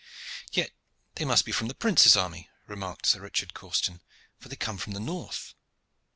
"Yet they must be from the prince's army," remarked Sir Richard Causton, "for they come from the north."